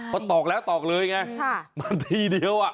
เพราะตอกแล้วตอกเลยไงมันทีเดียวอ่ะ